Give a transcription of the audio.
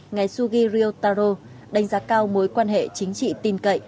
ngày sugi ryotaro đánh giá cao mối quan hệ chính trị tin cậy